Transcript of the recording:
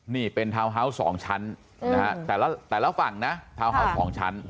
นี่เป็นทาวน์ฮาวส์๒ชั้นนะฮะแต่ละฝั่งนะทาวน์เฮาส์๒ชั้น